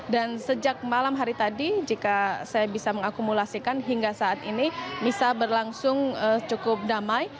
dan sejak malam hari tadi jika saya bisa mengakumulasikan hingga saat ini misa berlangsung cukup damai